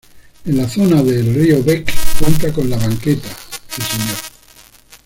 En la zona de Rio Bec cuenta con la banqueta. El Sr.